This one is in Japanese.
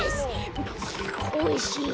おいしい。